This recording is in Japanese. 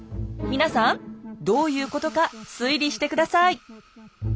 皆さんどういうことか推理して下さい。